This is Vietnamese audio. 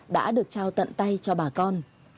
đã được trao tận tay cho bà con